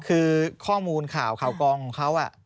คือข้อมูลข่าวข่าวกองของเขา